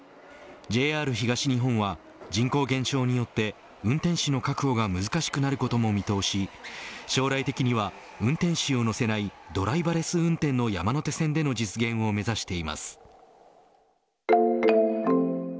ＪＲ東日本は人口減少によって運転士の確保が難しくなることも見通し将来的には運転士を乗せないドライバレス運転の山手線での実現を目指しています。